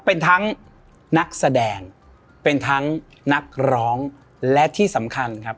เป็นทั้งนักแสดงเป็นทั้งนักร้องและที่สำคัญครับ